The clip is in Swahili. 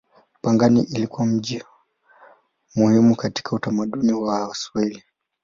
Pangani ilikuwa mji muhimu katika utamaduni wa Waswahili.